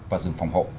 và rừng phòng hộ